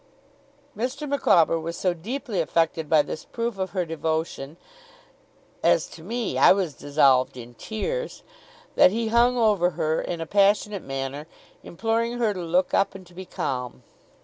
Mr. Micawber was so deeply affected by this proof of her devotion (as to me, I was dissolved in tears), that he hung over her in a passionate manner, imploring her to look up, and to be calm.